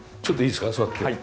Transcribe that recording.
ちょっといいですか？